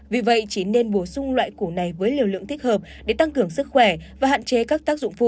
vì vậy chỉ nên bổ sung loại củ này với liều lượng thích hợp để tăng cường sức khỏe và hạn chế các tác dụng phụ